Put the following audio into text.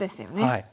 はい。